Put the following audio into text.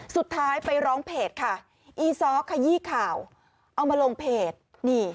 สุดท้ายไปร้องเพจค่ะอีซ้อขยี้ข่าวเอามาลงเพจนี่